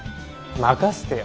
任せてよ。